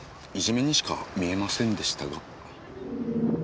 いじめにしか見えませんでしたが。